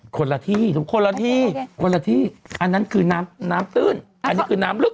คนละที่ทุกคนละที่คนละที่อันนั้นคือน้ำน้ำตื้นอันนี้คือน้ำลึก